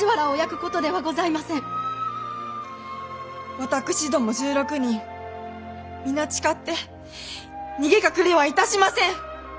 わたくしども１６人皆誓って逃げ隠れはいたしません。